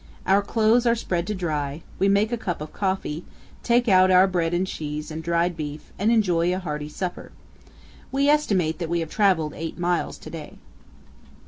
Our clothes are spread to dry; we make a cup of coffee, take out our bread and cheese and dried beef, and enjoy a hearty supper. We estimate that we have traveled eight miles to day.